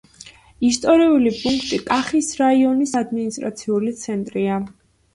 ისტორიული პუნქტი კახის რაიონის ადმინისტრაციული ცენტრია.